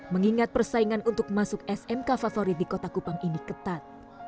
mengingat persaingan untuk masuk smk favorit di kota kupang ini ketat